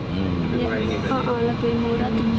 iya lebih murah